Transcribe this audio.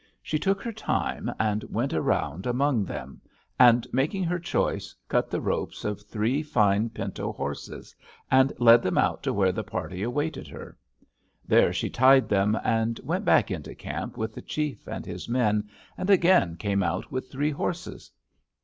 She took her time and went around among them, and, making her choice, cut the ropes of three fine pinto horses, and led them out to where the party awaited her. There she tied them, and went back into camp with the chief and his men and again came out with three horses.